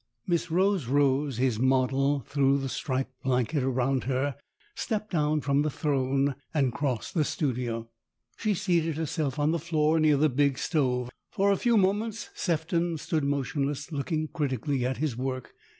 Miss Rose Rose, his model, threw the striped blanket around her, stepped down from the throne, and crossed the studio. She seated herself on the floor near the big stove. For a few moments Sefton stood motionless, looking critically at his work.